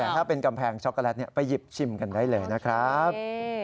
แต่ถ้าเป็นกำแพงช็อกโกแลตไปหยิบชิมกันได้เลยนะครับ